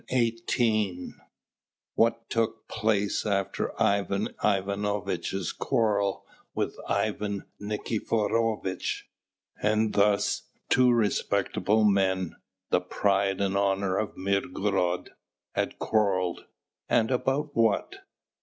CHAPTER III WHAT TOOK PLACE AFTER IVAN IVANOVITCH'S QUARREL WITH IVAN NIKIFOROVITCH And thus two respectable men, the pride and honour of Mirgorod, had quarrelled, and about what?